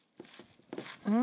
うん。